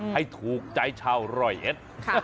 ให้ถูกใจชาวรอยเอ็ด